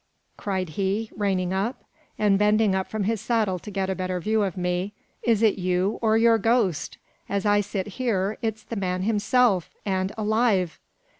cried he, reining up, and bending from his saddle to get a better view of me, "is it you or your ghost? As I sit here, it's the man himself, and alive!"